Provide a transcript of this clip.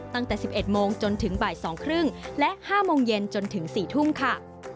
ตั้งแต่๑๑โมงจนถึงบ่าย๒๓๐และ๕โมงเย็นจนถึง๔ทุ่มค่ะ